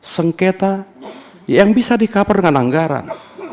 sengketa yang bisa di cover dengan anggaran